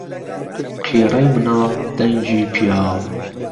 قیڕەی مناڵ دەنگی پیاو